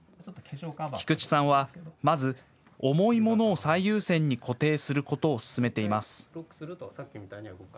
菊池さんは、まず重いものを最優先に固定することを勧めています。